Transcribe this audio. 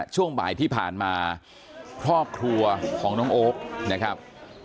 ช่วงบ่ายที่ผ่านมาครอบครัวของน้องโอ๊คนะครับ